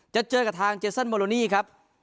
จะเจอกับทางเจสันโมโลนี่ครับ